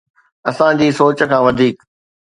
اسان جي سوچ کان وڌيڪ